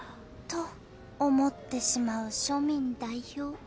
と思ってしまう庶民代表